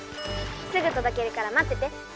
すぐとどけるから待ってて。